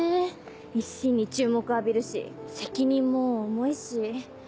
一身に注目浴びるし責任も重いし。